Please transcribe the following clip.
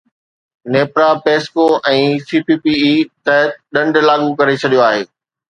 NEPRA PESCO ۽ C P P A تي سخت ڏنڊ لاڳو ڪري ڇڏيو آهي